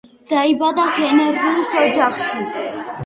დაიბადა გენერლის ოჯახში.